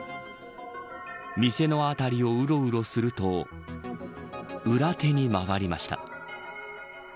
店の辺りをうろうろすると裏手に回りました。